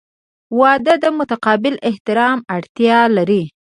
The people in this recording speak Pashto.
• واده د متقابل احترام اړتیا لري.